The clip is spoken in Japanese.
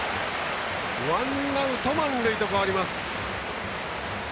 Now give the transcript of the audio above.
ワンアウト、満塁と変わります。